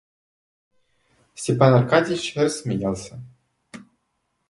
Степан Аркадьич рассмеялся.